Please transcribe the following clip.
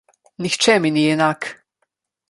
Nihče mi ni enak.